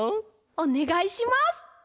おねがいします。